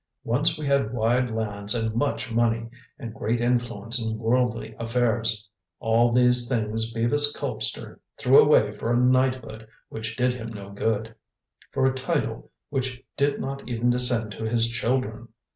"Once we had wide lands and much money, and great influence in worldly affairs. All these things Bevis Colpster threw away for a knighthood which did him no good, for a title which did not even descend to his children.